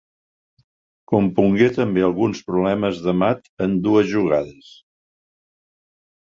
Compongué també alguns problemes de mat en dues jugades.